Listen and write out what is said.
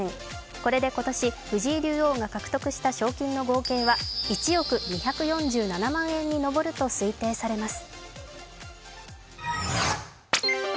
これで今年、藤井竜王が獲得した賞金の合計は１億２４７万円に上ると推定されます。